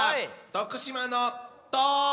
徳島の「と」！